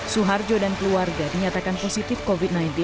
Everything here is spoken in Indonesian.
suharjo dan keluarga dinyatakan positif covid sembilan belas